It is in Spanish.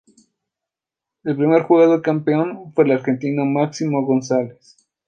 El primer jugador campeón fue el argentino Máximo González.